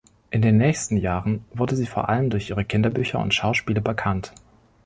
In den nächsten Jahren wurde sie vor allem durch ihre Kinderbücher und Schauspiele bekannt.